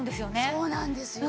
そうなんですよ。